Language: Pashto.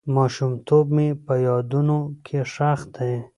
ماشومتوب مې په یادونو کې ښخ دی.